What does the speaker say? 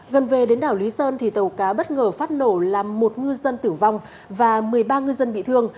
gần về đến đảo lý sơn thì tàu cá bất ngờ phát nổ làm một ngư dân tử vong và một mươi ba ngư dân bị thương